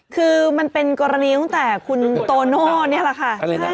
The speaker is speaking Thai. คือมันเป็นกรณีตั้งแต่คุณโตโน่นี่แหละค่ะ